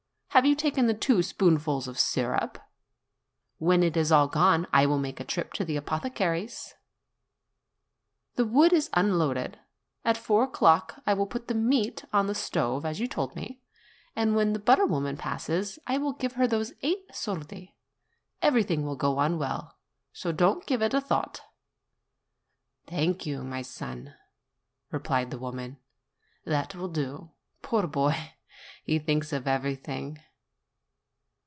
"Have you taken the two spoonfuls of syrup? When it is all gone, I will make a trip to the apothecary's. The wood is un loaded. At four o'clock I will put the meat on the stove, as you told me; and when the butter woman passes, I will give her those eight soldi. Everything will go on well; so don't give it a thought." Thanks, my son !" replied the woman. "That will do. Poor boy ! he thinks of everything."